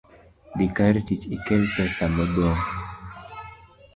Dhi kar tich ikel pesa modong'